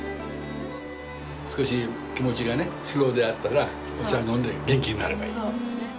少し気持ちがねスローであったらお茶飲んで元気になればいい。